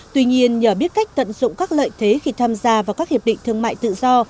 tuy nhiên nhờ biết cách tận dụng các lợi thế khi tham gia vào các hiệp định thương mại tự do